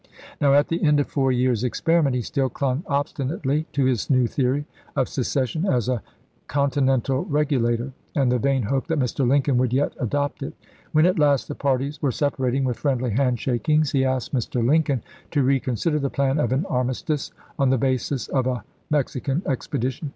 Now, at the end of four years' experiment, he still clung obsti nately to his new theory of secession as a " conti nental regulator," and the vain hope that Mr. Lin coln would yet adopt it. When at last the parties were separating, with friendly handshakings, he THE HAMPTON ROADS CONFERENCE 129 asked Mr. Lincoln to reconsider the plan of an chap.vi. armistice on the basis of a Mexican expedition.